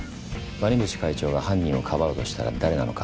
鰐淵会長が犯人をかばうとしたら誰なのか。